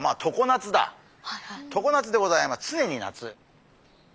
常夏でございます常に夏。